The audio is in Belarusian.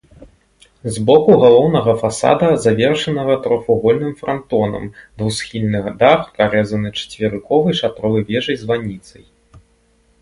З боку галоўнага фасада, завершанага трохвугольным франтонам, двухсхільны дах прарэзаны чацверыковай шатровай вежай-званіцай.